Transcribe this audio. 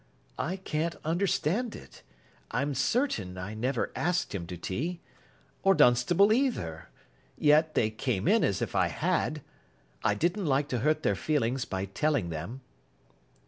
"I can't understand it. I'm certain I never asked him to tea. Or Dunstable either. Yet they came in as if I had. I didn't like to hurt their feelings by telling them."